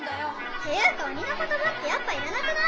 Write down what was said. っていうかおにのことばってやっぱいらなくない？